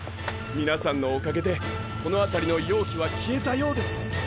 みなさんのおかげでこの辺りの妖気は消えたようです。